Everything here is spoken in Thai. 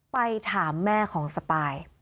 ไปถามแม่ของสปาย